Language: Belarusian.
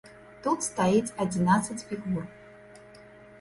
Тут стаіць адзінаццаць фігур.